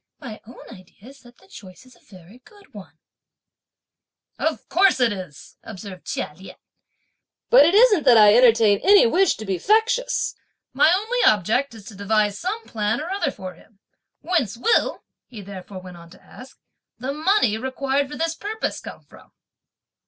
My own idea is that (the choice) is a very good one." "Of course it is!" observed Chia Lien; "but it isn't that I entertain any wish to be factious; my only object is to devise some plan or other for him. Whence will," he therefore went on to ask, "the money required for this purpose come from?"